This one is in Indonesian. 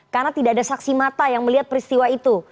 karena tidak ada saksi mata yang melihat peristiwa itu